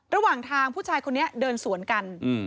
ระหว่างทางผู้ชายคนนี้เดินสวนกัน